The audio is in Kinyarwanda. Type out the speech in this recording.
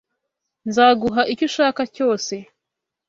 Nzaguha icyo ushaka cyose.